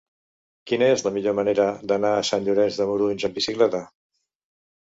Quina és la millor manera d'anar a Sant Llorenç de Morunys amb bicicleta?